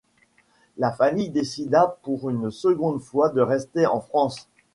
La famille décida pour une seconde fois de rester en France.